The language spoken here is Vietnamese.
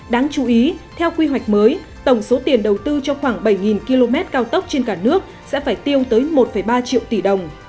đáng chú ý theo quy hoạch mới tổng số tiền đầu tư cho khoảng bảy km cao tốc trên cả nước sẽ phải tiêu tới một ba triệu tỷ đồng